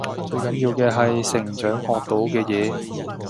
最緊要嘅係成長學到嘅嘢⠀